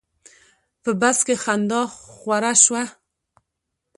په بس کې خندا خوره شوه.